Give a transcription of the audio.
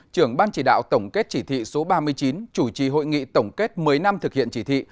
trưởng ban chỉ đạo tổng kết chỉ thị số ba mươi chín chủ trì hội nghị tổng kết một mươi năm thực hiện chỉ thị